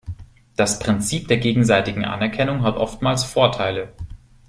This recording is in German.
Das Prinzip der gegenseitigen Anerkennung hat oftmals Vorteile.